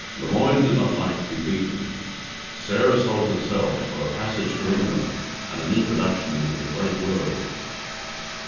Lemoine did not like to be beaten; Sarah sold herself for a passage to England and an introduction into the "great world".